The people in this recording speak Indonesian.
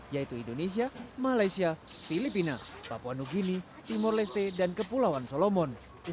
yaitu indonesia malaysia filipina papua new guinea timur leste dan kepulauan solomon